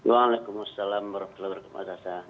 waalaikumsalam wr wb